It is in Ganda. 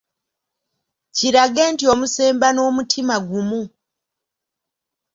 Kirage nti omusemba n'omutima gumu.